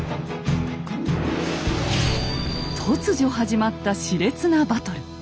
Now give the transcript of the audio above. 突如始まった熾烈なバトル。